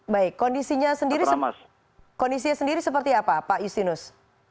baik kondisinya sendiri seperti apa pak yustinus